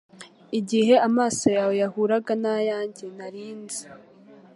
Igihe amaso yawe yahuraga nayanjye nari nzi